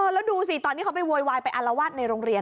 แล้วดูสิตอนที่เขาไปโวยวายไปอารวาสในโรงเรียน